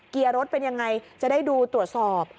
เกียร์รถเป็นยังไงจะได้ดูตรวจสอบ